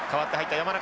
山中。